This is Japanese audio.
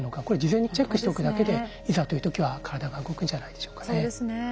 これ事前にチェックしておくだけでいざという時は体が動くんじゃないでしょうかね。